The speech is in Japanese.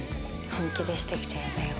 本気でしてきちゃやだよ。